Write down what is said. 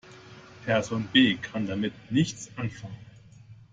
Person B kann damit nichts anfangen.